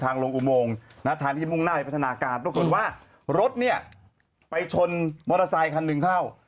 ทางที่มุ่งหน้าไปพัฒนาการปรากฏว่ารถไปชนมอเตอร์ไซค์คันหนึ่งเข้า